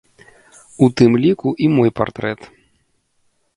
У тым ліку і мой партрэт.